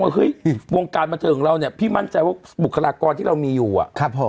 ว่าเฮ้ยวงการประเทศของเราเนี่ยพี่มั่นใจว่าบุคลากรที่เรามีอยู่